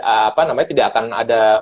apa namanya tidak akan ada